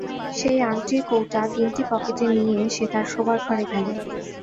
সেই আংটির কৌটা তিনটি পকেটে নিয়ে সে তার শোবার ঘরে গেল।